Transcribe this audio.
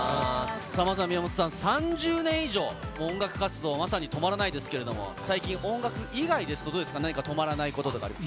さあ、まずは宮本さん、３０年以上、音楽活動まさに止まらないですけれども、最近、音楽以外ですと、どうですか、何か止まらないとかありますか？